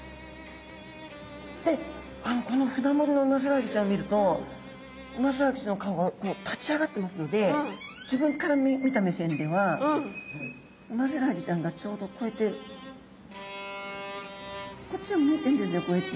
でこのふなもりのウマヅラハギちゃんを見るとウマヅラハギちゃんの顔が立ち上がってますので自分から見た目線ではウマヅラハギちゃんがちょうどこうやってこっちをむいてんですねこうやって。